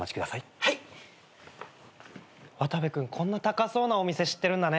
渡部君こんな高そうなお店知ってるんだね。